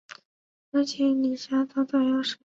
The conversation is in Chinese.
而且李遐早早夭折。